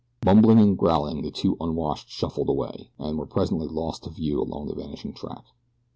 Mumbling and growling the two unwashed shuffled away, and were presently lost to view along the vanishing track.